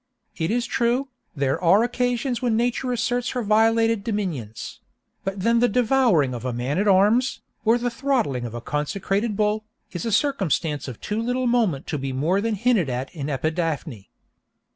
It is true, there are occasions when Nature asserts her violated dominions;—but then the devouring of a man at arms, or the throttling of a consecrated bull, is a circumstance of too little moment to be more than hinted at in Epidaphne.